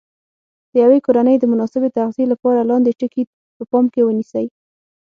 د یوې کورنۍ د مناسبې تغذیې لپاره لاندې ټکي په پام کې ونیسئ.